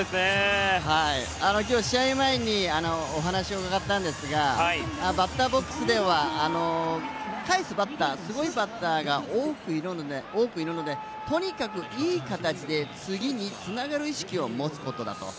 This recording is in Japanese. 今日、試合前にお話を伺ったんですがバッターボックスではかえすバッターすごいバッターが多くいるのでとにかくいい形で次につなげる意識を持つことだと。